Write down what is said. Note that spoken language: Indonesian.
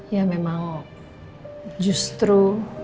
ya memang justru